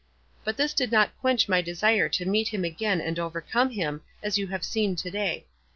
But this did not quench my desire to meet him again and overcome him, as you have seen to day.